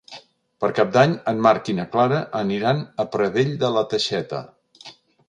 Per Cap d'Any en Marc i na Clara aniran a Pradell de la Teixeta.